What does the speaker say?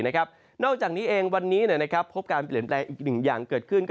นอกจากนี้เองวันนี้พบการเปลี่ยนแปลงอีกหนึ่งอย่างเกิดขึ้น